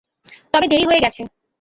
তবে দেরি হয়ে গেছে।